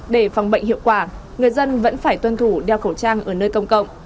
để phòng bệnh hiệu quả người dân vẫn phải tuân thủ đeo khẩu trang ở nơi công cộng